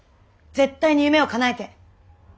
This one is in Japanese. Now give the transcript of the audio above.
絶対に夢をかなえて！